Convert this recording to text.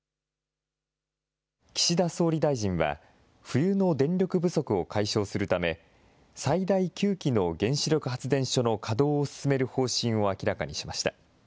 岸田総理大臣は、冬の電力不足を解消するため、最大９基の原子力発電所の稼働を進める方針を明らかにしました。